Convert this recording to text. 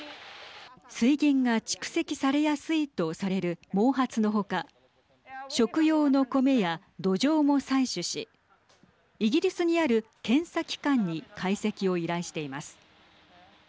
水銀が蓄積されやすいとされる毛髪のほか食用のコメや土壌も採取しイギリスにある検査機関に解析を依頼しています。